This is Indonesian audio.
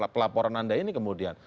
pelaporan anda ini kemudian